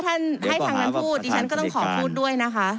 ให้ทางนั้นพูดดิฉันก็ต้องขอพูดด้วยนะคะ